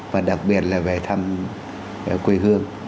và đặc biệt là về thăm quê hương